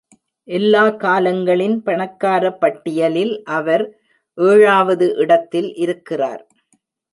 எல்லா காலங்களின் பணக்கார பட்டியலில் அவர் ஏழாவது இடத்தில் இருக்கிறார்.